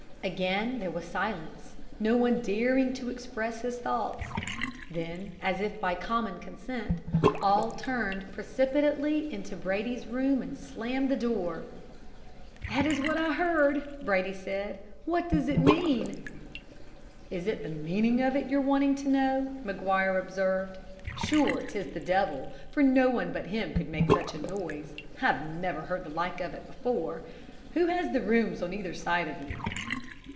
Again there was silence, no one daring to express his thoughts. Then, as if by common consent, all turned precipitately into Brady's room and slammed the door. "'That is what I heard,' Brady said. 'What does it mean?' "'Is it the meaning of it you're wanting to know?' Maguire observed. 'Sure 'tis the devil, for no one but him could make such a noise. I've never heard the like of it before. Who has the rooms on either side of you?'